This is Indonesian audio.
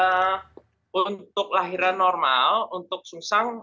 untuk tsumksang kita harus lahiran normal untuk tsumksang itu harus